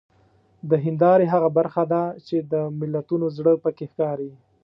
د هیندارې هغه برخه ده چې د ملتونو زړه پکې ښکاري.